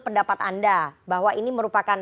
pendapat anda bahwa ini merupakan